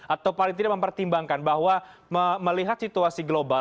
atau paling tidak mempertimbangkan bahwa melihat situasi global